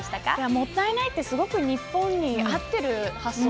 もったいないってすごく日本に合ってる発想だなって思いますし。